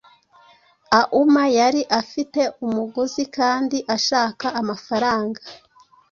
auma yari afite umuguzi kandi ashaka amafaranga